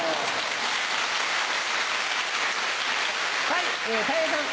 はい。